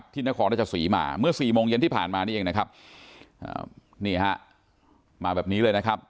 นครราชสีมาเมื่อสี่โมงเย็นที่ผ่านมานี่เองนะครับนี่ฮะมาแบบนี้เลยนะครับ